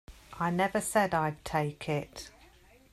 I never said I'd take it.